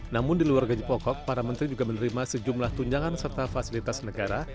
namun di luar gaji pokok para menteri juga menerima sejumlah tunjangan serta fasilitas negara